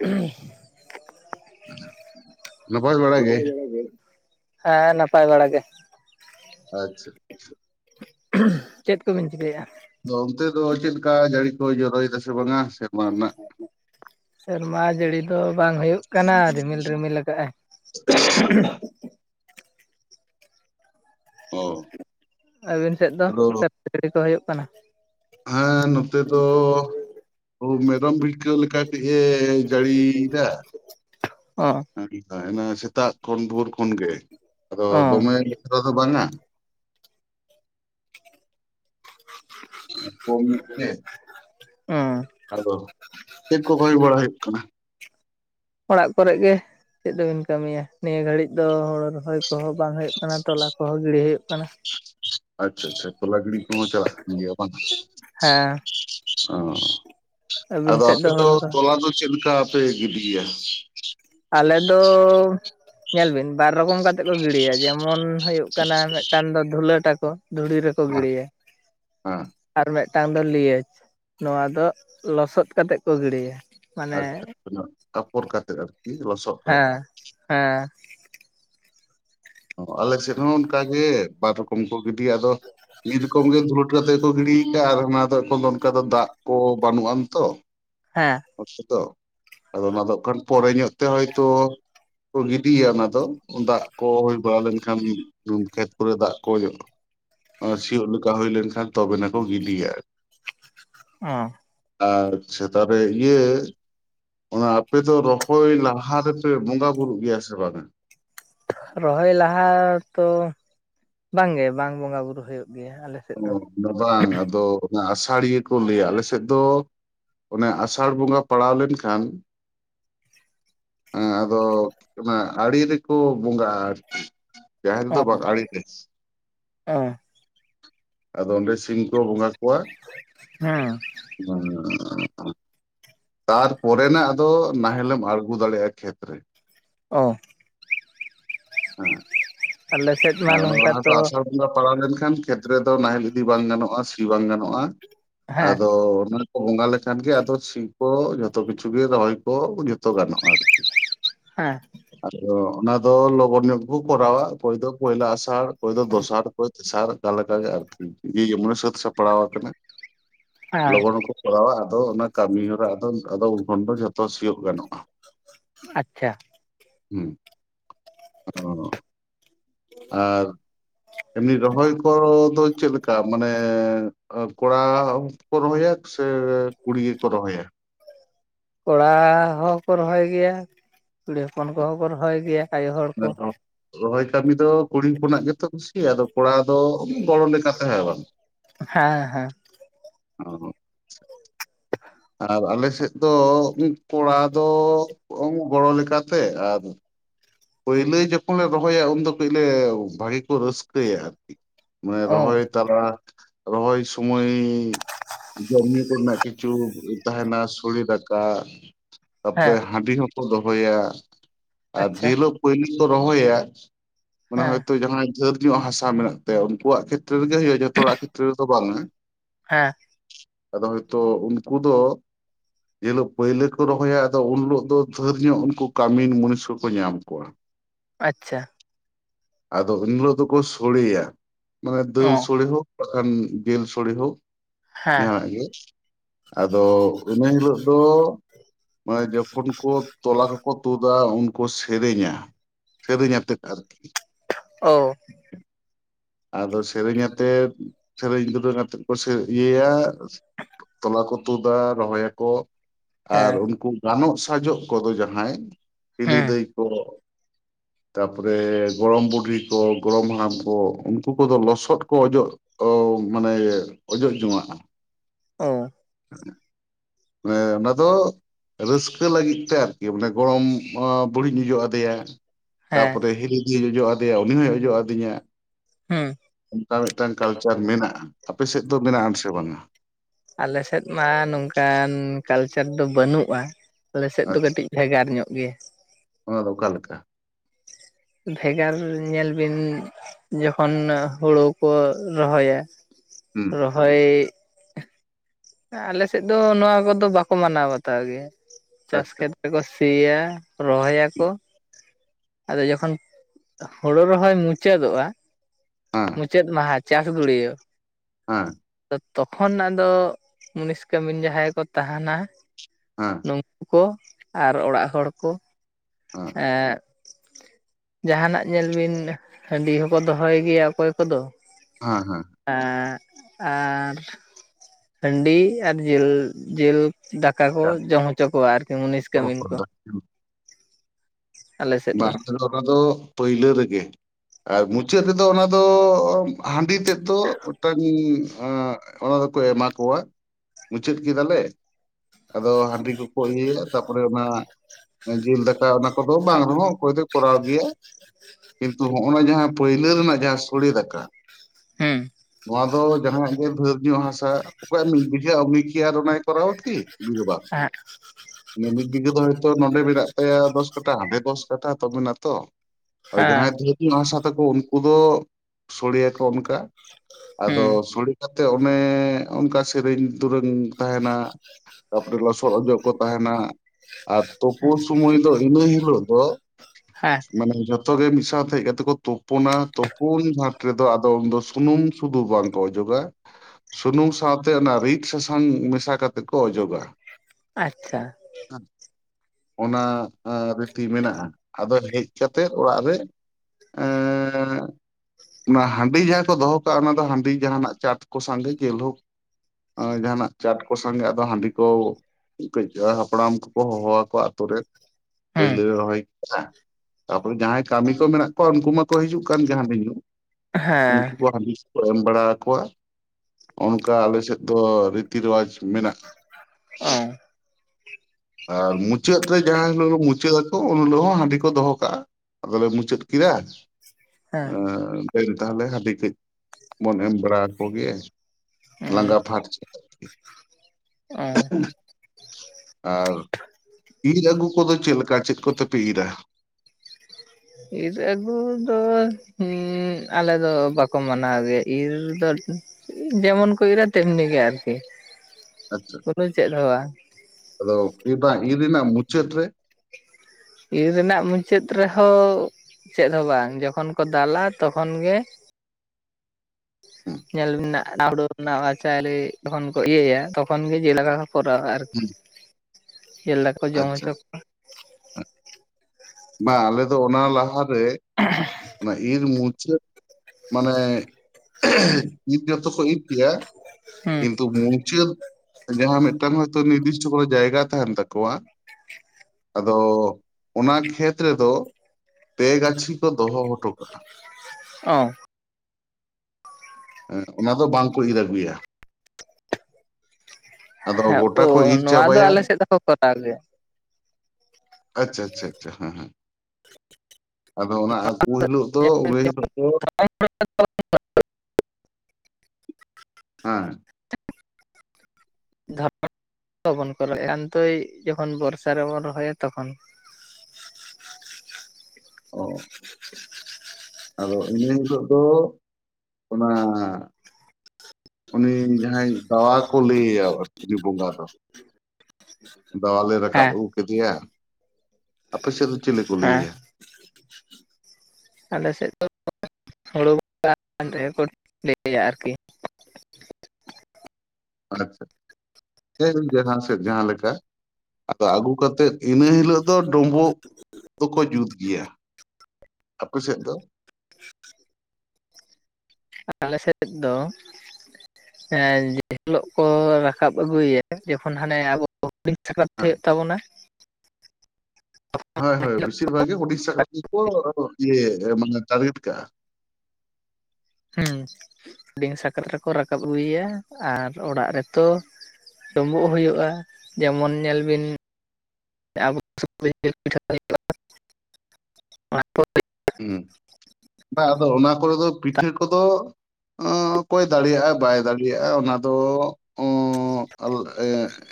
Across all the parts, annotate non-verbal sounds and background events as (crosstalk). ᱦᱸ (unintelligible) (inaudible) ᱱᱟᱯᱟᱭ ᱵᱟᱲᱟ ᱜᱮ? ᱦᱮᱸ, ᱱᱟᱯᱟᱭ ᱵᱟᱲᱟ ᱜᱮ᱾ ᱟᱪᱪᱷᱟ, (unintelligible) ᱪᱮᱫ ᱠᱚᱵᱤᱱ ᱪᱤᱠᱟᱹᱭᱮᱜᱼᱟ? ᱫᱚ ᱚᱱᱛᱮ ᱫᱚ ᱪᱮᱫ ᱠᱟ ᱡᱟᱹᱲᱤ ᱠᱚᱭ ᱡᱚᱨᱚᱭᱮᱫᱟ ᱥᱮ ᱵᱟᱝᱟ? ᱥᱮ ᱥᱮᱨᱢᱟ ᱡᱟᱹᱲᱤ ᱫᱚ ᱵᱟᱝ ᱦᱩᱭᱩᱜ ᱠᱟᱱᱟ, ᱨᱤᱢᱤᱞ ᱨᱤᱢᱤᱞᱟᱠᱟᱜᱼᱟᱭ, (inaudible) ᱚ, ᱟᱹᱵᱤᱱ ᱥᱮᱫ ᱫᱚ (inaudible) ᱟᱫᱚ ᱪᱟᱠᱛᱟᱨᱤ ᱠᱚ ᱦᱩᱭᱩᱜ ᱠᱟᱱᱟ? ᱦᱮᱸ, ᱱᱚᱛᱮ ᱫᱚ ᱳ, ᱢᱮᱨᱚᱢ ᱵᱷᱤᱲᱠᱟᱹᱣ ᱞᱮᱠᱟ ᱠᱮᱦᱮ ᱡᱟᱹᱲᱤᱭ ᱫᱟ᱾ ᱛᱷᱩᱦ ᱚ, (inaudible) ᱥᱮᱛᱟᱜ ᱠᱷᱚᱱ ᱵᱷᱳᱨ ᱠᱷᱚᱱ ᱜᱮ ᱟᱫᱚ ᱚ ᱫᱚᱢᱮ (inaudible) ᱵᱟᱠᱷᱨᱟ ᱫᱚ ᱵᱟᱝᱟ, ᱵᱞ ᱚᱸ (inaudible) ᱟᱫᱚ, ᱪᱮᱫ ᱠᱚ ᱠᱟᱹᱢᱤ ᱵᱟᱲᱟ ᱦᱩᱭᱩᱜ ᱠᱟᱱᱟ? ᱚᱲᱟᱜ ᱠᱚᱨᱮ ᱜᱮ ᱾ ᱪᱮᱫ ᱫᱚᱵᱤᱱ ᱠᱟᱹᱢᱤᱭᱟ? ᱱᱤᱭᱟᱹ ᱜᱷᱟᱹᱲᱤᱡ ᱫᱚ ᱦᱩᱲᱩ ᱨᱚᱦᱚᱭ ᱠᱚᱦᱚᱸ ᱵᱟᱝ ᱦᱩᱭᱩᱜ ᱠᱟᱱᱟ ᱾ ᱛᱚᱞᱟ ᱠᱚᱦᱚᱸ ᱜᱤᱰᱤ ᱦᱩᱭᱩᱜ ᱠᱟᱱᱟ ᱾ ᱟᱪᱪᱷᱟ ᱟᱪᱪᱷᱟ ᱾ ᱛᱚᱞᱟ ᱜᱤᱲᱤ ᱠᱚᱦᱚᱸ ᱪᱟᱞᱟᱜ ᱠᱟᱱ ᱜᱮᱭᱟ ᱵᱟᱝ? ᱦᱮᱸ ᱚᱸᱻ ᱾ ᱟᱹᱵᱤᱱ ᱟᱫᱚ ᱥᱮᱫ ᱟᱯᱮ ᱫᱚ ᱦᱳᱲᱳ ᱛᱚᱞᱟ ᱫᱚ ᱪᱮᱫᱞᱮᱠᱟ ᱯᱮ ᱜᱤᱰᱤᱭᱟ? ᱟᱞᱮ ᱫᱚ ᱧᱮᱞ ᱵᱤᱱ ᱵᱟᱨ ᱨᱚᱠᱚᱢ ᱠᱟᱛᱮᱫ ᱠᱚ ᱜᱤᱰᱤᱭᱟ ᱾ ᱡᱮᱢᱚᱱ ᱦᱩᱭᱩᱜ ᱠᱟᱱᱟ ᱢᱤᱫᱴᱟᱱ ᱫᱚ ᱫᱷᱩᱞᱟᱹᱴᱟᱠᱚ, ᱫᱷᱩᱲᱤ ᱨᱮᱠᱚ ᱜᱤᱲᱤᱭᱟ ᱦᱮᱸ ᱾ ᱟᱨ ᱢᱤᱫᱴᱟᱝ ᱫᱚ ᱞᱤᱭᱟᱹᱡᱽ, ᱱᱚᱣᱟ ᱫᱚ ᱞᱚᱥᱚᱫ ᱠᱟᱛᱮᱫ ᱠᱚ ᱜᱤᱲᱤᱭᱟ ᱾ ᱟᱪᱪᱷᱟ ᱟᱪᱪᱷᱟ ᱾ ᱟᱯᱷᱚᱨ ᱠᱟᱛᱮᱫ ᱟᱨᱠᱤ ᱞᱚᱥᱚᱫ ᱨᱮ ᱦᱮᱸ ᱦᱮᱸ ᱾ ᱟᱞᱮ ᱥᱮᱫ ᱦᱚᱸ ᱚᱱᱠᱟᱜ ᱜᱮ ᱵᱟᱨ ᱨᱚᱠᱚᱢ ᱠᱚ ᱜᱤᱰᱤᱭᱟ ᱾ ᱟᱫᱚ ᱢᱤᱫ ᱨᱚᱠᱚᱢ ᱜᱮ ᱫᱷᱩᱞᱟᱹᱴ ᱫᱩᱫ ᱠᱟᱛᱮ ᱠᱚ ᱜᱤᱲᱤᱭ ᱠᱟᱜᱼᱟ ᱟᱨ ᱚᱱᱟ ᱫᱚ ᱮᱠᱷᱚᱱ ᱫᱚ ᱚᱱᱠᱟ ᱫᱟᱜ ᱠᱚ ᱵᱟᱹᱱᱩᱜ ᱟᱱᱛᱚ ᱾ ᱦᱮᱸ ᱾ ᱦᱟᱥᱚ ᱫᱚᱜ ᱾ ᱟᱫᱚ ᱚᱱᱟ ᱫᱚ ᱦᱟᱜ ᱠᱷᱟᱱ ᱯᱚᱨᱮ ᱧᱚᱜ ᱛᱮ ᱦᱚᱭᱛᱳ ᱠᱚ ᱜᱤᱰᱤᱭᱟ ᱚᱱᱟ ᱫᱚ ᱾ ᱫᱟᱜ ᱠᱚ ᱦᱩᱭ ᱵᱟᱲᱟ ᱞᱮᱱᱠᱷᱟᱱ ᱩᱸ ᱠᱷᱮᱛ ᱠᱚᱨᱮ ᱫᱟᱜ ᱠᱚ ᱦᱳᱭᱳᱜ ᱟᱨ ᱥᱤᱭᱳᱜ ᱞᱮᱠᱟ ᱦᱩᱭ ᱞᱮᱱᱠᱷᱟᱱ ᱛᱚᱵᱮᱱᱟ ᱠᱚ ᱜᱤᱰᱤᱭᱟ ᱾ ᱚᱸ ᱟᱪᱪᱷᱟ ᱛᱟᱵᱮ ᱤᱭᱟᱹ ᱚᱱᱟ ᱟᱯᱮ ᱫᱚ ᱨᱚᱦᱚᱭ ᱞᱟᱦᱟ ᱨᱮᱯᱮ ᱵᱚᱸᱜᱟ ᱵᱩᱨᱩᱜ ᱜᱮᱭᱟ ᱥᱮ ᱵᱟᱝᱼᱟ? ᱨᱚᱦᱚᱭ ᱞᱟᱦᱟ ᱛᱚᱻ ᱵᱟᱝᱜᱮ ᱵᱟᱝ ᱵᱚᱸᱜᱟ ᱵᱩᱨᱩ ᱦᱩᱭᱩᱜ ᱜᱮᱭᱟ ᱟᱞᱮ ᱚ ᱫᱚ ᱵᱟᱝ ᱟᱫᱚ ᱚᱱᱟ ᱟᱥᱟᱲᱤᱭᱟᱹ ᱠᱚ ᱞᱟᱹᱭᱟ ᱾ ᱟᱞᱮ ᱥᱮᱫ ᱫᱚ ᱚᱱᱮ ᱟᱥᱟᱲ ᱵᱚᱸᱜᱟ ᱯᱟᱲᱟᱣ ᱞᱮᱱᱠᱷᱟᱱ ᱦᱮᱸ ᱟᱫᱚ ᱚᱱᱟ ᱟᱲᱮ ᱨᱮᱠᱚ ᱵᱚᱸᱜᱟᱜᱼᱟ ᱟᱨᱠᱤ ᱡᱟᱦᱮᱨ ᱫᱚ ᱵᱟᱝ ᱟᱲᱮ ᱨᱮ ᱾ ᱮᱸ ᱟᱫᱚ ᱚᱸᱰᱮ ᱥᱤᱢ ᱠᱚ ᱵᱚᱸᱜᱟ ᱠᱚᱣᱟ ᱾ ᱦᱮᱸ ᱵᱟᱝ ᱟᱻ ᱛᱟᱨᱯᱚᱨᱮ ᱱᱟᱜ ᱟᱫᱚ ᱱᱟᱦᱮᱞᱮᱢ ᱟᱬᱜᱩ ᱫᱟᱲᱮᱭᱟᱜᱼᱟ ᱠᱷᱮᱛ ᱨᱮ ᱾ ᱚ ᱦᱮᱸ ᱟᱞᱮ ᱥᱮᱫ ᱢᱟ ᱟᱨ ᱚᱱᱟ ᱱᱚᱝᱠᱟ ᱞᱟᱦᱟ ᱫᱚ ᱛᱚ ᱟᱥᱟᱲ ᱵᱚᱸᱜᱟ ᱯᱟᱲᱟᱣ ᱞᱮᱱᱠᱷᱟᱱ ᱠᱷᱮᱛ ᱨᱮᱫᱚ ᱱᱟᱦᱮᱞ ᱤᱫᱤ ᱵᱟᱝ ᱜᱟᱱᱚᱜᱼᱟ, ᱥᱤ ᱵᱟᱝ ᱜᱟᱱᱚᱜᱼᱟ ᱾ ᱦᱮᱸ ᱟᱫᱚ ᱚᱱᱟ ᱵᱚᱸᱜᱟ ᱞᱮᱠᱷᱟᱱ ᱜᱮ ᱟᱫᱚ ᱥᱤ ᱠᱚ, ᱡᱚᱛᱚ ᱠᱤᱪᱷᱩ ᱜᱮ ᱨᱚᱦᱚᱭ ᱠᱚ, ᱡᱚᱛᱚ ᱜᱟᱱᱚᱜᱼᱟ ᱟᱨᱠᱤ ᱾ ᱦᱮᱸ ᱟᱫᱚ ᱚᱱᱟ ᱫᱚ ᱞᱚᱜᱚᱱ ᱧᱚᱜ ᱜᱮᱠᱚ ᱠᱚᱨᱟᱣᱟ ᱾ ᱚᱠᱚᱭ ᱫᱚ ᱯᱚᱭᱞᱟ ᱟᱥᱟᱲ, ᱚᱠᱚᱭ ᱫᱚ ᱫᱚᱥᱟᱨ ᱚᱠᱚᱭ ᱛᱮᱥᱟᱨ ᱚᱱᱠᱟ ᱞᱮᱠᱟᱜᱮ ᱟᱨᱠᱤ ᱡᱮᱢᱚᱱᱮ ᱥᱟᱹᱛ ᱥᱟᱯᱲᱟᱣ ᱟᱠᱟᱱᱟ ᱾ ᱦᱮᱸ ᱞᱚᱜᱚᱱ ᱦᱚᱸᱠᱚ ᱠᱚᱨᱟᱣᱟ ᱾ ᱟᱫᱚ ᱚᱱᱟ ᱠᱟᱹᱢᱤ ᱦᱚᱨᱟ ᱟᱫᱚ ᱟᱫᱚ ᱩᱱᱠᱷᱚᱱ ᱫᱚ ᱡᱷᱚᱛᱚ ᱥᱤᱭᱳᱜ ᱜᱟᱱᱚᱜᱼᱟ ᱾ ᱟᱪᱪᱷᱟ ᱦᱩᱸ ᱚᱻ ᱟᱨ ᱮᱢᱱᱤ ᱨᱚᱦᱚᱭ ᱠᱚᱫᱚ ᱪᱮᱫ ᱞᱮᱠᱟ ᱢᱟᱱᱮ ᱚ ᱠᱚᱲᱟ ᱦᱚᱠᱚ ᱨᱚᱦᱚᱭᱟ ᱥᱮ ᱠᱩᱲᱤ ᱜᱮᱠᱚ ᱨᱚᱦᱚᱭᱟ? ᱠᱚᱲᱟ ᱦᱚᱠᱚ ᱨᱚᱦᱚᱭ ᱜᱮᱭᱟ, ᱠᱩᱲᱤ ᱦᱚᱯᱚᱱ ᱠᱚᱦᱚᱸ ᱠᱚ ᱨᱚᱦᱚᱭ ᱜᱮᱭᱟ ᱾ ᱢᱟᱱᱮ ᱨᱚᱦᱚᱭ ᱠᱟᱹᱢᱤ ᱫᱚ ᱠᱩᱲᱤ ᱦᱚᱯᱚᱱᱟᱜ ᱜᱮᱛᱚ ᱵᱮᱥᱤ ᱾ ᱟᱫᱚ ᱠᱚᱲᱟ ᱫᱚ ᱜᱚᱲᱚ ᱞᱮᱠᱟ ᱦᱮ ᱵᱟᱝ? ᱦᱮᱸ ᱦᱮᱸ ᱾ ᱚᱻ ᱟᱨ ᱟᱞᱮ ᱥᱮᱫ ᱫᱚ ᱩᱸ ᱠᱚᱲᱟ ᱫᱚ ᱳᱸ ᱜᱚᱲᱚ ᱞᱮᱠᱟᱛᱮ, ᱟᱨ ᱯᱟᱹᱭᱞᱟᱹ ᱡᱚᱠᱷᱚᱱ ᱞᱮ ᱨᱚᱦᱚᱭᱟ ᱩᱱᱫᱚ ᱠᱟᱹᱡ ᱞᱮ ᱵᱷᱟᱜᱤ ᱠᱚ ᱨᱟᱹᱥᱠᱟᱹᱭᱟ ᱟᱨᱠᱤ ᱢᱟᱱᱮ ᱚ ᱨᱚᱦᱚᱭ (unintelligible) ᱨᱚᱦᱚᱭ ᱥᱚᱢᱚᱭ ᱾ ᱡᱚᱢ ᱧᱩ ᱠᱚᱨᱮᱱᱟᱜ ᱠᱤᱪᱷᱩ ᱛᱟᱦᱮᱱᱟ ᱥᱚᱲᱮ ᱫᱟᱠᱟ᱾ ᱛᱟᱯᱚᱨᱮ ᱦᱮᱸ ᱦᱟᱺᱰᱤ ᱦᱚᱸᱠᱚ ᱫᱚᱦᱚᱭᱟ ᱾ ᱟᱪᱷᱟ ᱾ ᱯᱩᱭᱞᱤ ᱠᱚ ᱨᱚᱦᱚᱭᱟ, ᱢᱟᱱᱮ ᱦᱮᱸ ᱦᱚᱭᱛᱚ ᱡᱟᱦᱟᱸᱭ ᱡᱚᱛ ᱧᱚᱜ ᱦᱟᱥᱟ ᱢᱮᱱᱟᱜ ᱛᱟᱭᱟ ᱩᱱᱠᱩᱣᱟᱜ ᱠᱷᱮᱛ ᱨᱮᱜᱮ ᱦᱩᱭᱩᱜᱼᱟ ᱡᱚᱛᱚ ᱦᱚᱲᱟᱜ ᱠᱷᱮᱛ ᱨᱮᱫᱚ ᱵᱟᱝᱼᱟ ᱾ ᱦᱮᱸ ᱟᱫᱚ ᱦᱚᱭ ᱛᱚ ᱩᱱᱠᱩ ᱫᱚ ᱾ ᱡᱮᱦᱤᱞᱚᱜ ᱯᱟᱹᱭᱞᱟᱹ ᱠᱚ ᱨᱚᱦᱚᱭᱟ ᱟᱫᱚ ᱩᱱ ᱦᱤᱞᱚᱜ ᱫᱚ ᱫᱷᱤᱨ ᱧᱚᱜ ᱠᱩ ᱠᱟᱹᱢᱤ ᱢᱩᱱᱤᱥᱟ ᱠᱚ ᱧᱟᱢ ᱠᱚᱣᱟ ᱾ ᱟᱪᱷᱟ ᱾ ᱟᱫᱚ ᱮᱱᱦᱤᱞᱚᱜ ᱫᱚᱠᱚ ᱥᱚᱲᱮᱭᱟ ᱢᱟᱱᱮ ᱚ ᱫᱟᱹᱞ ᱥᱚᱲᱮ ᱦᱚ ᱵᱟᱠᱷᱟᱱ ᱡᱤᱞ ᱥᱚᱲᱮ ᱦᱚ ᱦᱮᱸ ᱡᱟᱦᱟᱱᱟᱜ ᱜᱮ ᱾ ᱟᱫᱚ ᱤᱱᱟᱹ ᱦᱤᱞᱚᱜ ᱫᱚ, ᱢᱟᱱᱮ ᱡᱚᱠᱷᱚᱱ ᱠᱚ ᱛᱚᱞᱟ ᱠᱚᱠᱚ ᱛᱩᱫᱟ ᱩᱱ ᱠᱚ ᱥᱮᱨᱮᱧᱟ ᱥᱮᱨᱮᱧ ᱟᱛᱮᱫ ᱟᱨᱠᱤ ᱳ ᱟᱫᱚ ᱥᱮᱨᱮᱧ ᱟᱛᱮᱫ ᱥᱮᱨᱮᱧ ᱫᱩᱨᱟᱹᱝ ᱟᱛᱮᱫ ᱠᱚ ᱤᱭᱟᱹᱭᱟ ᱛᱚᱞᱟ ᱠᱚ ᱛᱩᱫᱟ ᱨᱚᱦᱚᱭᱟᱠᱚ ᱾ ᱦᱮᱸ ᱟᱨ ᱩᱱᱠᱩ ᱜᱟᱱᱚᱜ ᱥᱟᱡᱚᱜ ᱠᱚᱫᱚ ᱡᱟᱦᱟᱸᱭ ᱦᱤᱞᱤ ᱦᱩᱸ ᱫᱟᱹᱭ ᱠᱚ ᱛᱟᱯᱚᱨᱮ ᱜᱚᱲᱚᱢ ᱵᱩᱰᱷᱤ ᱠᱚ ᱜᱚᱲᱚᱢ ᱦᱟᱲᱟᱢ ᱠᱚ ᱩᱱᱠᱩ ᱠᱚᱫᱚ ᱞᱚᱥᱚᱫ ᱠᱚ ᱚᱡᱚᱜ ᱢᱟᱱᱮ ᱚᱡᱚᱜ ᱡᱚᱝᱣᱟᱜᱼᱟ ᱾ ᱳᱸ ᱦᱩᱸ ᱾ ᱚᱱᱟ ᱫᱚ ᱨᱟᱹᱥᱠᱟᱹ ᱞᱟᱹᱜᱤᱫ ᱛᱮ ᱟᱨᱠᱤ ᱢᱟᱱᱮ ᱜᱚᱲᱚᱢ ᱵᱟᱹᱲᱤᱡ ᱚᱡᱚᱜ ᱟᱫᱮᱭᱟ ᱾ ᱦᱮᱸ ᱛᱟᱯᱚᱨᱮ ᱦᱤᱞᱤ ᱜᱮ ᱚᱡᱚᱜ ᱟᱫᱮᱭᱟ ᱩᱱᱤ ᱦᱚᱭ ᱚᱡᱚᱜ ᱟᱫᱤᱧᱟ ᱾ ᱦᱩᱸ ᱾ ᱚᱱᱠᱟ ᱢᱤᱫᱴᱟᱝ ᱠᱟᱞᱪᱟᱨ ᱢᱮᱱᱟᱜᱼᱟ ᱟᱯᱮ ᱥᱮᱫ ᱫᱚ ᱢᱮᱱᱟᱜ ᱟᱱ ᱥᱮ ᱵᱟᱝᱟ? ᱟᱞᱮᱥᱮᱫ ᱢᱟ ᱱᱚᱝᱠᱟᱱ ᱠᱟᱞᱪᱟᱨ ᱫᱚ ᱵᱟᱹᱱᱩᱜᱼᱟ ᱾ ᱟᱞᱮᱥᱮᱫ ᱫᱚ ᱠᱟᱹᱴᱤᱡ ᱵᱷᱮᱜᱟᱨ ᱧᱚᱜ ᱜᱮᱭᱟ ᱾ ᱚᱱᱟ ᱫᱚ ᱚᱠᱟ (inaudible) ᱵᱷᱮᱜᱟᱨ ᱧᱮᱞ ᱵᱤᱱ ᱡᱚᱠᱷᱚᱱ ᱦᱩᱲᱩ ᱠᱚ ᱨᱚᱦᱚᱭᱟ ᱦᱩᱸ ᱨᱚᱦᱚᱭ ᱟᱞᱮᱥᱮᱫ ᱫᱚ ᱱᱚᱣᱟ ᱠᱚᱫᱚ ᱵᱟᱠᱚ ᱢᱟᱱᱟᱣ ᱵᱟᱛᱟᱣ ᱜᱮᱭᱟ ᱪᱟᱥ ᱟᱪᱪᱷᱟ ᱠᱷᱮᱛ ᱨᱮᱠᱚ ᱥᱤᱭᱟ, ᱨᱚᱦᱚᱭᱟᱠᱚ ᱦᱮᱸ ᱾ ᱟᱫᱚ ᱡᱚᱠᱷᱚᱱ ᱦᱩᱲᱩ ᱨᱚᱦᱚᱭ ᱢᱩᱪᱟᱹᱫᱚᱜᱼᱟ ᱦᱮᱸ ᱢᱩᱪᱟᱹᱫ ᱢᱟᱦᱟᱸ ᱪᱟᱥ ᱜᱩᱲᱤᱭᱟ ᱦᱮᱸ ᱾ ᱛᱚᱠᱷᱚᱱ ᱟᱫᱚ ᱢᱩᱱᱤᱥ ᱠᱟᱹᱢᱤᱱ ᱡᱟᱦᱟᱸᱭ ᱠᱚ ᱛᱟᱦᱮᱱᱟ ᱾ ᱦᱮᱸ ᱾ ᱱᱩᱠᱩ ᱠᱚ ᱟᱨ ᱚᱲᱟᱜ ᱦᱚᱲ ᱠᱚ, ᱮᱸ ᱡᱟᱦᱱᱟᱜ ᱧᱮᱞ ᱵᱤᱱ ᱦᱟᱺᱰᱤ ᱦᱚᱸᱠᱚ ᱫᱚᱦᱚᱭ ᱜᱮᱭᱟ ᱚᱠᱚᱭ ᱠᱚᱫᱚ, ᱦᱮᱸ ᱦᱮᱸ ᱾ ᱮᱸ ᱟᱨ ᱦᱟᱺᱰᱤ ᱟᱨ ᱡᱤᱞ ᱡᱤᱞ ᱫᱟᱠᱟ ᱠᱚ ᱦᱮᱸ ᱡᱚᱢ ᱦᱚᱪᱚ ᱠᱚᱣᱟ ᱟᱨᱠᱤ ᱢᱩᱱᱤᱥ ᱠᱟᱹᱢᱤᱱ ᱠᱚ ᱾ ᱵᱟᱨ ᱯᱮ ᱠᱟᱴᱷᱟ ᱫᱚ ᱯᱟ. ᱭᱞᱟᱹ ᱨᱮᱜᱮ ᱾ ᱟᱨ ᱢᱩᱪᱟᱹᱫ ᱨᱮᱫᱚ ᱚᱱᱟ ᱫᱚ ᱦᱟᱺᱰᱤ ᱛᱮᱫ ᱫᱚ ᱢᱤᱫᱴᱟᱝ ᱚᱱᱟ ᱫᱚᱠᱚ ᱮᱢᱟ ᱠᱚᱣᱟ ᱢᱩᱪᱟᱹᱫ ᱠᱮᱫᱟᱞᱮ ᱟᱫᱚ ᱦᱸ ᱛᱮ ᱠᱚᱠᱚ ᱤᱭᱟᱹᱭᱟ ᱛᱟᱯᱚᱨᱮ ᱚᱱᱟ ᱡᱤᱞ ᱫᱟᱠᱟ ᱚᱱᱟ ᱠᱚᱫᱚ ᱵᱟᱝ ᱨᱮᱦᱚᱸ ᱚᱠᱚᱭ ᱫᱚ ᱠᱚᱨᱟᱣ ᱜᱮᱭᱟ ᱠᱤᱱᱛᱩ ᱱᱚᱜᱼᱚᱭ ᱱᱚᱣᱟ ᱡᱟᱦᱟᱸ ᱯᱟᱹᱭᱞᱟᱹ ᱨᱮᱱᱟᱜ ᱡᱟᱦᱟᱸ ᱥᱚᱲᱮ ᱫᱟᱠᱟ, ᱦᱩᱸ ᱱᱚᱣᱟ ᱫᱚ ᱡᱟᱦᱟᱭᱟᱜ ᱜᱮ ᱵᱷᱟᱹᱨ ᱧᱚᱜ ᱦᱟᱥᱟ ᱚᱠᱚᱭᱟᱜ ᱢᱤᱫ ᱵᱤᱜᱷᱟᱹ ᱩᱱᱤᱠᱤ ᱟᱨ ᱚᱱᱟ ᱠᱚᱨᱟᱣᱟ ᱠᱤ ᱩᱱᱤ ᱫᱚ ᱵᱟᱝ᱾ ᱦᱮᱸ ᱢᱤᱫ ᱵᱤᱜᱷᱟᱹ ᱫᱚ ᱦᱚᱭᱛᱳ ᱱᱚᱰᱮ ᱢᱮᱱᱟᱜ ᱛᱟᱭᱟ ᱫᱚᱥ ᱠᱟᱴᱟ ᱦᱟᱸᱰᱮ ᱫᱚᱥ ᱠᱟᱴᱟ ᱛᱚ ᱵᱮᱱᱟᱛᱚ ᱦᱮᱸ ᱡᱟᱦᱟᱸᱭ ᱫᱷᱮᱨᱧᱚᱜ ᱦᱟᱥᱟ ᱛᱟᱠᱚ ᱩᱱᱠᱩ ᱫᱚ ᱥᱳᱲᱮᱭ ᱟᱠᱚ ᱚᱱᱠᱟ ᱦᱩᱸ ᱟᱫᱚ ᱥᱳᱲᱮ ᱠᱟᱛᱮ ᱚᱱᱮ ᱚᱱᱠᱟ ᱥᱮᱨᱮᱧ ᱫᱩᱨᱟᱹᱝ ᱛᱟᱦᱮᱱᱟ᱾ ᱛᱟᱯᱚᱨᱮ ᱞᱚᱥᱚᱫᱚᱡᱚᱜ ᱠᱚ ᱛᱟᱦᱮᱱᱟ᱾ ᱟᱨ ᱛᱩᱯᱩ ᱥᱚᱢᱚᱭ ᱫᱚ ᱤᱱᱟᱹ ᱦᱤᱞᱳᱜ ᱫᱚ ᱦᱮᱸ ᱢᱟᱱᱮ ᱡᱷᱚᱛᱚ ᱜᱮ ᱢᱤᱫ ᱥᱟᱶ ᱦᱮᱡ ᱠᱟᱛᱮ ᱠᱚ ᱛᱩᱯᱩᱱᱟ ᱛᱩᱯᱩᱱ ᱜᱷᱟᱴ ᱨᱮᱫᱚ ᱟᱫᱚ ᱩᱱ ᱫᱚ ᱥᱩᱱᱩᱢ ᱥᱩᱫᱷᱩ ᱵᱟᱝᱠᱚ ᱚᱡᱚᱜᱟ, ᱥᱩᱱᱩᱢ ᱥᱟᱶᱛᱮ ᱚᱱᱟ ᱨᱤᱫ ᱥᱟᱥᱟᱝ ᱢᱮᱥᱟ ᱠᱟᱛᱮᱫ ᱠᱚ ᱚᱡᱚᱜᱼᱟ᱾ ᱟᱪᱪᱷᱟ ᱚᱱᱟ ᱨᱤᱫ ᱞᱟᱠᱛᱤ ᱢᱮᱱᱟᱜᱼᱟ ᱟᱫᱚ ᱦᱮᱡ ᱠᱟᱛᱮᱜ ᱚᱲᱟᱜ ᱨᱮ ᱚᱱᱟ ᱦᱟᱸᱰᱤ ᱡᱟᱦᱟᱸ ᱠᱚ ᱫᱚᱦᱚ ᱠᱟᱜᱼᱟ ᱚᱱᱟ ᱫᱚ ᱦᱟᱸᱰᱤ ᱡᱟᱦᱟᱸᱱᱟᱜ ᱪᱟᱴ ᱠᱚ ᱥᱟᱸᱜᱮ ᱡᱮᱞ ᱦᱳᱠ ᱡᱟᱦᱟᱱᱟᱜ ᱪᱟᱴ ᱠᱚ ᱥᱟᱝ ᱜᱮ ᱟᱫᱚ ᱦᱟᱸᱰᱤ ᱠᱚ ᱠᱟᱹᱡ ᱦᱟᱯᱲᱟᱢ ᱠᱚᱠᱚ ᱦᱚᱦᱚ ᱟᱠᱚᱣᱟ ᱟᱛᱳ ᱨᱮ ᱦᱩᱸ ᱯᱳᱭᱞᱳ ᱨᱚᱦᱚᱭ ᱠᱮᱫᱼᱟ ᱛᱟᱨᱯᱚᱨᱮ ᱡᱟᱦᱟᱸᱭ ᱠᱟᱹᱢᱤ ᱠᱚ ᱢᱮᱱᱟᱜ ᱠᱚᱣᱟ ᱩᱱᱠᱩ ᱢᱟᱠᱚ ᱦᱤᱡᱩᱜ ᱠᱟᱱ ᱦᱟᱸᱰᱤ ᱧᱩ, ᱦᱮᱸ ᱩᱱᱠᱩ ᱠᱚ (unintelligible) ᱠᱚ ᱮᱢ ᱵᱟᱲᱟ ᱟᱠᱚᱣᱟ, ᱚᱱᱠᱟ ᱟᱞᱮ ᱥᱮᱫ ᱫᱚ ᱨᱤᱛᱤ ᱨᱮᱣᱟᱡᱽ ᱢᱮᱱᱟᱜᱼᱟ᱾ ᱚ ᱟᱨ ᱢᱩᱪᱟᱹᱫ ᱨᱮ ᱡᱟᱦᱟᱸ ᱦᱤᱞᱳᱜ ᱢᱩᱪᱟᱹᱫ ᱟᱠᱚ ᱩᱱ ᱦᱤᱞᱳᱜ ᱦᱚᱸ ᱦᱟᱸᱰᱤ ᱠᱚ ᱫᱚᱦᱚ ᱠᱟᱜᱼᱟ᱾ ᱟᱫᱚᱞᱮ ᱢᱩᱪᱟᱹᱫ ᱠᱮᱫᱟ᱾ ᱦᱮᱸ ᱫᱮᱱ ᱛᱟᱦᱚᱞᱮ ᱦᱟᱹᱰᱤ ᱠᱟᱹᱡ ᱵᱚᱱ ᱮᱢ ᱵᱟᱲᱟ ᱠᱚᱜᱮ, ᱞᱟᱸᱜᱟ ᱦᱮᱸ ᱯᱷᱟᱨᱪᱟ (unintelligible) ᱚᱸ ᱟᱨ ᱤᱨ ᱟᱹᱜᱩ ᱠᱚᱫᱚ ᱪᱮᱫ ᱞᱮᱠᱟ ᱪᱮᱫ ᱠᱚᱛᱮᱯᱮ ᱤᱨᱟ? ᱤᱨ ᱟᱹᱜᱩ ᱫᱚ ᱟᱞᱮ ᱫᱚ ᱵᱟᱠᱚ ᱢᱟᱱᱟᱣ ᱜᱮᱭᱟ ᱤᱨᱫᱚ, ᱡᱮᱢᱚᱱ ᱠᱚ ᱤᱨᱟ ᱛᱮᱢᱱᱤᱜ ᱜᱮ ᱟᱨᱠᱤ ᱟᱪᱪᱷᱟ ᱠᱳᱱᱳ ᱪᱮᱫ ᱦᱚᱸ ᱵᱟᱝ᱾ (inaudible) ᱤᱨ ᱨᱮᱱᱟᱜ ᱢᱩᱪᱟᱹᱫ ᱨᱮᱦᱚᱸ ᱪᱮᱫ ᱦᱚᱸ ᱵᱟᱝ ᱡᱚᱠᱷᱚᱱ ᱠᱚ ᱫᱟᱞᱟ ᱛᱚᱠᱷᱚᱱ ᱜᱮ, ᱦᱩᱸ ᱧᱮᱞ ᱢᱮᱱᱟᱜ ᱦᱩᱲᱩ ᱨᱮᱱᱟᱜ ᱪᱟᱣᱞᱮ ᱡᱚᱠᱷᱚᱱ ᱠᱚ ᱤᱭᱟᱹᱭᱟ ᱛᱚᱠᱷᱚᱱ ᱜᱮ ᱡᱮᱞᱮᱠᱟ (inaudible) ᱠᱚᱨᱟᱣ ᱟᱨ ᱦᱩᱸ, ᱡᱮᱞ ᱫᱟᱠᱟ ᱡᱚᱢ ᱟᱪᱪᱷᱟ ᱦᱚᱪᱚ ᱵᱟᱝ ᱟᱞᱮ ᱫᱚ ᱚᱱᱟ ᱞᱟᱦᱟᱨᱮ ᱚᱱᱟ ᱤᱨ ᱢᱩᱪᱟᱹᱫ ᱢᱟᱱᱮ ᱤᱨ ᱡᱚᱛᱚ ᱠᱚ ᱤᱨ ᱜᱮᱭᱟ᱾ ᱦᱩᱸ ᱠᱤᱱᱛᱩ ᱢᱩᱪᱟᱹᱫ ᱡᱟᱦᱟᱸ ᱢᱤᱫᱴᱟᱝ ᱦᱚᱭᱛᱚ ᱱᱤᱨᱫᱤᱥᱴᱚ ᱠᱚᱱᱚ ᱡᱟᱭᱜᱟ ᱛᱟᱦᱮᱱ ᱛᱟᱠᱚᱣᱟ, ᱟᱫᱚ ᱚᱱᱟ ᱠᱷᱮᱛ ᱨᱮᱫᱚ ᱯᱮ ᱜᱟᱹᱪᱷᱤ ᱠᱚ ᱫᱚᱦᱚ ᱦᱚᱴᱚ ᱠᱟᱜᱼᱟ᱾ ᱚ ᱦᱩᱸ ᱚᱱᱟ ᱫᱚ ᱵᱟᱝᱠᱚ ᱤᱨ ᱟᱜᱩᱭᱟ᱾ ᱟᱫᱚ ᱦᱮᱸ ᱜᱚᱴᱟ ᱳ ᱠᱚ ᱤᱨ ᱱᱚᱣᱟ ᱫᱚ ᱪᱟᱵᱟᱭᱟ ᱟᱞᱮ ᱥᱮᱫ ᱫᱚᱠᱚ ᱠᱚᱨᱟᱣ ᱜᱮᱭᱟ ᱟᱪᱪᱷᱟ ᱟᱪᱪᱷᱟ ᱟᱪᱪᱷᱟ ᱦᱮᱸ ᱦᱮᱸ ᱟᱫᱚ ᱚᱱᱟ ᱟᱜᱩ ᱦᱤᱞᱳᱜ ᱫᱚ ᱩᱱ ᱦᱤᱞᱳᱜ ᱫᱚ (unintelligible) ᱦᱮᱸ (unintelligible) ᱡᱚᱠᱷᱚᱱ ᱵᱚᱨᱥᱟ ᱨᱮᱵᱚᱱ ᱨᱚᱦᱚᱭᱟ ᱛᱚᱠᱷᱚᱱ ᱚ ᱾ ᱟᱫᱚ ᱤᱱᱟᱹ ᱦᱤᱞᱳᱜ ᱫᱚ ᱚᱱᱟ ᱩᱱᱤ ᱡᱟᱦᱟᱸᱭ ᱯᱟᱣᱟᱣ ᱠᱩᱞᱤᱭᱮᱭᱟ ᱩᱱᱤ ᱵᱚᱸᱜᱟ ᱫᱚ, ᱫᱟᱣᱟᱞ ᱨᱟᱠᱟᱵ ᱦᱮᱸ ᱟ ᱠᱮᱫᱮᱭᱟ ᱟᱯᱮ ᱥᱮᱫ ᱫᱚ ᱪᱮᱞᱮ ᱠᱚ ᱞᱮᱭᱮ ᱦᱮᱸ ᱭᱟ ᱾ ᱟᱞᱮ ᱥᱮᱫ ᱫᱚ ᱦᱩᱲᱩ (inaudible) ᱵᱚᱸᱜᱟ ᱨᱮ ᱠᱚ ᱞᱟᱹᱭᱟ ᱟᱨᱠᱤ ᱾ ᱟᱪᱪᱷᱟ, ᱦᱮ ᱜᱚᱝᱠᱮ ᱡᱟᱦᱟ ᱥᱮᱫ ᱡᱟᱦᱟᱸ ᱞᱮᱠᱟ ᱾ ᱟᱫᱚ ᱟᱹᱜᱩ ᱠᱟᱛᱮᱫ ᱤᱱᱟᱹ ᱦᱤᱞᱟᱹᱜ ᱫᱚ ᱰᱳᱢᱵᱳᱜ ᱫᱚᱠᱚ ᱡᱩᱛ ᱜᱮᱭᱟ ᱾ ᱟᱯᱮ ᱥᱮᱫ ᱫᱚ? ᱟᱞᱮ ᱥᱮᱫ ᱫᱚ ᱮᱸ ᱡᱮ ᱦᱤᱞᱳᱜ ᱠᱚ ᱨᱟᱠᱟᱵ ᱟᱹᱜᱩᱭᱭᱟ ᱡᱚᱠᱷᱚᱱ ᱦᱟᱱᱮ ᱟᱵᱚ ᱦᱩᱰᱤᱝ ᱥᱟᱠᱨᱟᱛ ᱦᱮᱸ, ᱦᱩᱭᱩᱜ ᱛᱟᱵᱚᱱᱟ ᱾ ᱦᱳᱭ ᱦᱳᱭ, ᱵᱮᱥᱤᱨ ᱵᱷᱟᱜᱽ ᱜᱮ ᱦᱩᱰᱤᱝ ᱥᱟᱠᱨᱟᱛ ᱜᱮᱠᱚ ᱤᱭᱟᱹ ᱢᱟᱱᱮ ᱴᱟᱨᱜᱮᱴ ᱠᱟᱜᱼᱟ ᱾ ᱦᱮᱸ, ᱰᱩᱰᱤᱝ ᱥᱟᱠᱨᱟᱛ ᱨᱮᱠᱚ ᱨᱟᱠᱟᱵ ᱟᱹᱜᱩᱭᱮᱭᱟ ᱟᱨ ᱚᱲᱟᱜ ᱨᱮᱛᱚ ᱰᱩᱵᱩᱜ ᱦᱩᱭᱩᱜᱼᱟ ᱡᱮᱢᱚᱱ ᱧᱮᱞ ᱵᱤᱱ ᱟᱵᱚ (unintelligible) ᱦᱩᱸ, ᱵᱟ ᱟᱫᱚ ᱚᱱᱟ ᱠᱚᱨᱮ ᱫᱚ ᱯᱤᱴᱷᱟᱹ ᱠᱚᱫᱚ ᱚᱸᱻ ᱚᱠᱚᱭ ᱫᱟᱲᱮᱭᱟᱜ-ᱟ ᱵᱟᱭ ᱫᱟᱲᱮᱭᱟᱜ-ᱟ ᱚᱱᱟ ᱫᱚ ᱚᱸᱻ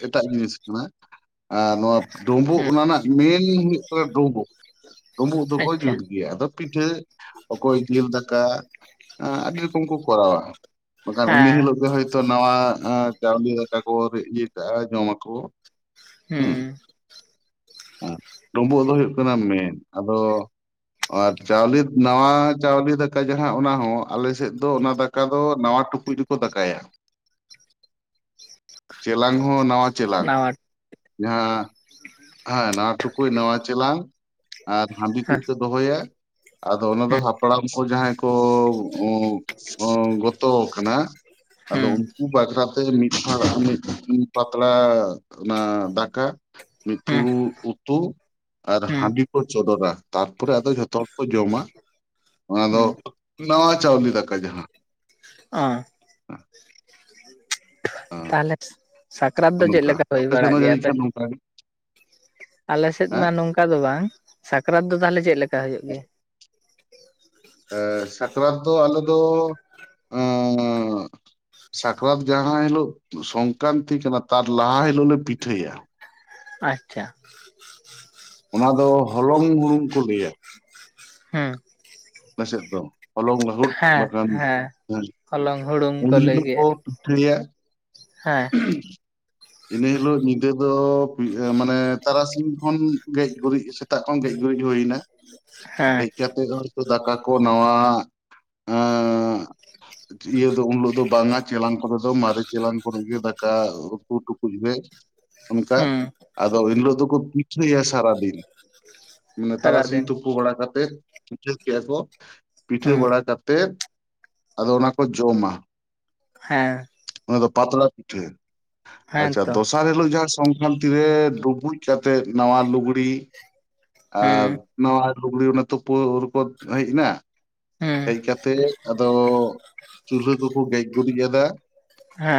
ᱮᱴᱟᱜ ᱡᱤᱱᱤᱥ ᱠᱟᱱᱟ ᱾ ᱟᱨ ᱱᱚᱣᱟ ᱰᱩᱸᱵᱩᱜ ᱦᱩᱸ ᱚᱱᱟ ᱨᱮᱱᱟᱜ ᱢᱮᱱ ᱦᱩᱭᱩᱜ ᱠᱟᱱᱟ ᱰᱩᱸᱵᱩ ᱰᱩᱸᱵᱩ ᱫᱚᱠᱚ ᱟᱪᱪᱷᱟ ᱡᱩᱛ ᱜᱮᱭᱟ, ᱟᱫᱚ ᱯᱤᱴᱷᱟᱹ ᱚᱠᱚᱭ ᱡᱤᱞ ᱫᱟᱠᱟ, ᱟᱸ ᱟᱹᱰᱤ ᱨᱚᱠᱚᱢ ᱠᱚ ᱠᱚᱨᱟᱣᱟ ᱾ ᱵᱟᱠᱷᱟᱱ ᱩᱱ ᱦᱮᱸ ᱦᱤᱞᱳᱜ ᱜᱮ ᱦᱳᱭᱛᱳ ᱱᱟᱣᱟ ᱪᱟᱣᱞᱮ ᱫᱟᱠᱟ ᱠᱚ ᱤᱭᱟᱹ ᱠᱟᱜ-ᱟ, ᱡᱚᱢᱟᱠᱚ ᱾ ᱦᱩᱸ ᱾ ᱰᱩᱢᱵᱩᱜ ᱫᱚ ᱦᱩᱭᱩᱜ ᱠᱟᱱᱟ ᱢᱮᱱ, ᱟᱫᱚ ᱟᱨ ᱪᱟᱣᱞᱮ ᱱᱟᱣᱟ ᱪᱟᱣᱞᱮ ᱫᱟᱠᱟ ᱡᱟᱦᱟᱸ ᱚᱱᱟ ᱦᱚᱸ ᱟᱞᱮᱥᱮᱫ ᱫᱚ ᱚᱱᱟ ᱫᱟᱠ ᱚᱠᱟ ᱫᱚ ᱱᱟᱣᱟ ᱴᱩᱠᱩᱡ ᱨᱮᱠᱚ ᱫᱟᱠᱟᱭᱟ ᱾ (inaudible) ᱪᱮᱞᱟᱝ ᱦᱚᱸ ᱱᱟᱣᱟ ᱪᱮᱞᱟᱝ ᱱᱟᱣᱟ ᱡᱟᱦᱟᱸ ᱦᱮᱸ ᱱᱟᱣᱟ ᱴᱩᱠᱩᱡ, ᱱᱟᱣᱟ ᱪᱮᱞᱟᱝ ᱟᱨ ᱦᱟᱺᱰᱤ ᱠᱩ ᱦᱮᱸ ᱠᱚ ᱫᱚᱦᱚᱭᱟ ᱟᱫᱚ ᱚᱱᱟ ᱫᱚ ᱦᱩᱸ ᱦᱟᱯᱲᱟᱢ ᱠᱚ ᱡᱟᱦᱟᱸᱭ ᱟᱸ ᱜᱚᱛᱚ ᱠᱟᱱᱟ ᱟᱫᱚ ᱦᱩᱸ ᱩᱱᱠᱩ ᱵᱟᱠᱷᱨᱟ ᱛᱮ ᱢᱤᱫᱷᱟ (inaudible) ᱢᱤᱫ ᱯᱟᱛᱲᱟ ᱚᱱᱟ ᱫᱟᱠᱟ ᱦᱩᱸ ᱢᱤᱫᱯᱷᱩᱬᱩ ᱩᱛᱩ ᱟᱨ ᱦᱩᱸ ᱦᱟᱺᱰᱤ ᱠᱚ ᱪᱚᱰᱚᱨᱟ ᱾ ᱛᱟᱨᱯᱚᱨᱮ ᱟᱫᱚ ᱡᱷᱚᱛᱚ ᱦᱚᱲ ᱠᱚ ᱡᱚᱢᱟ ᱚᱱᱟ ᱫᱚ ᱦᱩᱸ ᱱᱟᱣᱟ ᱪᱟᱣᱞᱮ ᱫᱟᱠᱟ ᱡᱟᱦᱟᱸ ᱾ ᱚ ᱾ ᱛᱟᱦᱞᱮ ᱥᱟᱠᱨᱟᱛ ᱫᱚ ᱦᱚᱸ ᱪᱮᱫ ᱞᱮᱠᱟ ᱱᱚᱝᱠᱟ ᱦᱩᱭ ᱟᱯᱮ ᱥᱮᱫ ᱵᱟᱲᱟᱜ ᱦᱚᱸ ᱜᱮᱭᱟ ᱡᱟᱹᱱᱤᱡ ᱟᱯᱮ ᱠᱷᱟᱱ ᱥᱮᱫ? ᱱᱚᱝᱠᱟ ᱜᱮ ᱟᱞᱮᱥᱮᱫ ᱢᱟ ᱦᱮᱸ ᱱᱚᱝᱠᱟ ᱫᱚ ᱵᱟᱝ ᱥᱟᱠᱨᱟᱛ ᱫᱚ ᱛᱟᱦᱚᱞᱮ ᱪᱮᱫ ᱞᱮᱠᱟ ᱦᱩᱭᱩᱜ ᱜᱮᱭᱟ? ᱮᱸ ᱥᱟᱠᱨᱟᱛ ᱫᱚ ᱟᱞᱮ ᱫᱚ, ᱚᱸᱻ ᱥᱟᱠᱨᱟᱛ ᱡᱟᱦᱟᱸ ᱦᱤᱞᱳᱜ ᱥᱚᱝᱠᱨᱟᱱᱛᱤ ᱠᱟᱱᱟ ᱛᱟᱨ ᱞᱟᱦᱟ ᱦᱤᱞᱳᱜ ᱞᱮ ᱯᱤᱴᱷᱟᱹᱭᱟ ᱾ ᱟᱪᱪᱷᱟ ᱾ ᱚᱱᱟ ᱫᱚ ᱦᱚᱞᱚᱝ ᱦᱩᱲᱩᱝ ᱠᱚ ᱞᱟᱹᱭᱟ ᱾ ᱦᱮᱸ ᱾ ᱟᱯᱮ ᱥᱮᱫ ᱫᱚ? ᱦᱚᱞᱚᱝ ᱞᱟᱹᱦᱩᱫ ᱦᱮᱸ ᱵᱟᱠᱷᱟᱱ, ᱦᱮᱸ ᱦᱮ ᱦᱚᱞᱚᱝ ᱦᱩᱲᱩᱝ ᱩᱱ ᱞᱟᱹᱭ ᱦᱤᱞᱳᱜ ᱠᱚ ᱜᱮᱭᱟ ᱯᱤᱴᱷᱟᱹᱭᱟ ᱾ ᱦᱮᱸ ᱾ ᱤᱱᱟᱹ ᱦᱤᱞᱳᱜ ᱧᱤᱫᱟᱹ ᱫᱚ ᱢᱟᱱᱮ ᱛᱟᱨᱟᱥᱤᱧ ᱠᱷᱚᱱ ᱜᱮᱡ ᱜᱩᱨᱤᱡ ᱥᱮᱛᱟᱜ ᱠᱷᱚᱱ ᱜᱮᱡ ᱜᱩᱨᱤᱡ ᱦᱩᱭᱱᱟ, ᱦᱮᱸ ᱦᱮᱡ ᱠᱟᱛᱮ ᱩᱛᱩ ᱫᱟᱠᱟ ᱠᱚ ᱱᱟᱣᱟ ᱮᱸᱻ ᱤᱭᱟᱹ ᱫᱚ ᱩᱱ ᱦᱤᱞᱳ ᱫᱚ ᱵᱟᱝᱟ ᱪᱮᱞᱟᱝ ᱠᱚᱨᱮ ᱫᱚ ᱢᱟᱨᱮ ᱪᱮᱞᱟᱝ ᱠᱚᱨᱮ ᱜᱮ ᱫᱟᱠᱟ ᱩᱛᱩ ᱴᱩᱠᱩᱡ ᱨᱮ ᱚᱱᱠᱟ ᱦᱩᱸ ᱟᱫᱚ ᱮᱱᱦᱤᱞᱳᱜ ᱫᱚᱠᱚ ᱯᱤᱴᱷᱟᱹᱭᱟ ᱥᱟᱨᱟ ᱫᱤᱱ ᱾ ᱢᱟᱱᱮ ᱛᱟᱨᱟᱥᱤᱧ ᱥᱟᱨᱟᱫᱤᱱ ᱛᱩ ᱛᱩᱯᱩ ᱵᱟᱲᱟ ᱠᱟᱛᱮ ᱯᱤᱴᱷᱟᱹ ᱠᱮᱜ-ᱟ ᱠᱚ ᱯᱤᱴᱷᱟᱹ ᱦᱩᱸ ᱵᱟᱲᱟ ᱠᱟᱛᱮᱫ ᱟᱫᱚ ᱚᱱᱟ ᱠᱚ ᱡᱚᱢᱟ ᱾ ᱦᱮᱸ ᱾ ᱯᱟᱛᱲᱟ ᱯᱤᱴᱷᱟᱹ, ᱦᱮᱸ ᱟᱪᱪᱷᱟ ᱛᱚ ᱫᱚᱥ ᱫᱚᱥᱟᱨ ᱦᱤᱞᱳᱜ ᱡᱟᱦᱟᱸ ᱥᱚᱝᱠᱨᱟᱱᱛᱤ ᱨᱮ ᱰᱩᱵᱩᱡ ᱠᱟᱛᱮᱫ ᱱᱟᱣᱟ ᱞᱩᱜᱲᱤ ᱟᱨ ᱦᱩᱸ ᱦᱩᱸ ᱱᱟᱣᱟ ᱞᱩᱜᱽᱲᱤ ᱚᱱᱟ ᱛᱩᱯᱳ ᱨᱮ ᱠᱚ ᱦᱮᱡ ᱮᱱᱟ ᱦᱮᱸ ᱦᱮᱡ ᱠᱟᱛᱮ ᱟᱫᱚ ᱪᱩᱞᱦᱟᱹ ᱠᱚᱠᱚ ᱜᱮᱡ ᱜᱩᱨᱤᱡ ᱟᱫᱟ ᱾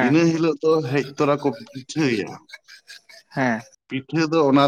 ᱤᱱᱟᱹ ᱦᱤᱞᱳᱜ ᱫᱚ ᱦᱮᱡ ᱛᱚᱨᱟ ᱠᱚ ᱯᱤᱴᱷᱟᱹᱭᱟ ᱾ ᱦᱮᱸ ᱾ ᱯᱤᱴᱷᱟᱹ ᱫᱚ ᱚᱱᱟ